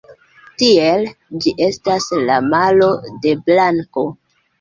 Tiele ĝi estas la malo de blanko.